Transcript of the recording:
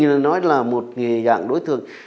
mình nói là một dạng đối tượng